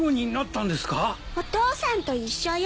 お父さんと一緒よ。